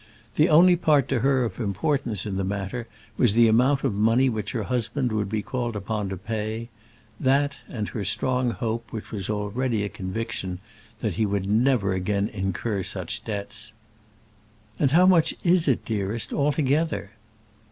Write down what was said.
The only part to her of importance in the matter was the amount of money which her husband would be called upon to pay; that and her strong hope, which was already a conviction, that he would never again incur such debts. "And how much is it, dearest, altogether?"